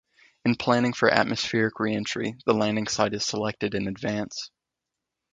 In planning for atmospheric re-entry, the landing site is selected in advance.